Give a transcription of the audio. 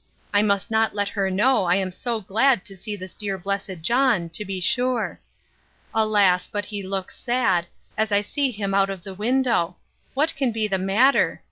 I must not let her know I am so glad to see this dear blessed John, to be sure!—Alas! but he looks sad, as I see him out of the window! What can be the matter!